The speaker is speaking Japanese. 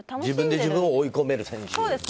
自分で自分を追い込める選手。